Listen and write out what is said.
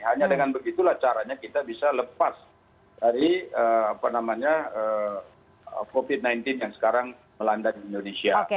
hanya dengan begitulah caranya kita bisa lepas dari covid sembilan belas yang sekarang melanda di indonesia